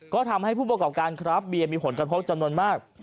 ก็ทำให้ผู้ประกอบการครับเบียร์มีผลกระทบจำนวนมาก